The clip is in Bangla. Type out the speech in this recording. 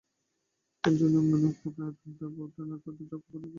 কারণ যাগযজ্ঞের উপরই ছিল দেবতাদের নির্ভর, যজ্ঞভাগই ছিল দেবতাদের প্রাপ্য।